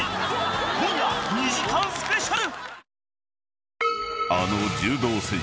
今日、２時間スペシャル。